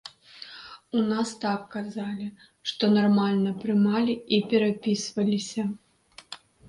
У нас так казалі, што нармальна прымалі і перапісваліся.